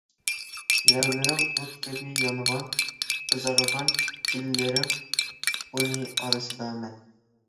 لەۋلىرىڭ ئوت كەبى يانغان قىزارغان جىنلىرىڭ تۇتقۇنى ئارىسىدا مەن.